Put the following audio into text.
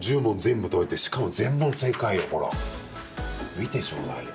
見てちょうだいよ。